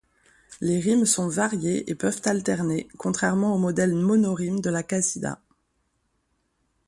Les rimes sont variées et peuvent alterner, contrairement au modèle monorime de la qasida.